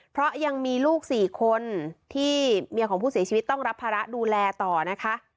เพราะยังมีลูก๔คนที่เมียของผู้เสียชีวิตต้องรับภาระดูแลต่อนะคะ